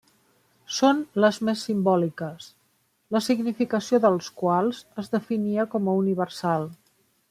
Són les més simbòliques, la significació dels quals es definia com a universal.